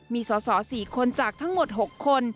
มีส่อสี่คนจากทั้งหมดหกคน